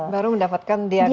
baru mendapatkan diagnosa